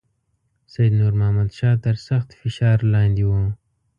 سید نور محمد شاه تر سخت فشار لاندې وو.